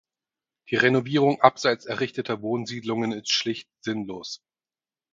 Die Renovierung abseits errichteter Wohnsiedlungen ist schlicht sinnlos.